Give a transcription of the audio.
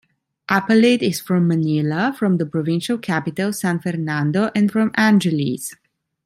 Apalit is from Manila, from the provincial capital, San Fernando, and from Angeles.